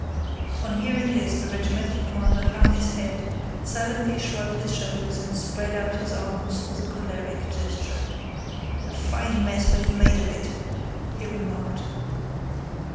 On hearing this the regimental commander hung his head, silently shrugged his shoulders, and spread out his arms with a choleric gesture. "A fine mess we've made of it!" he remarked.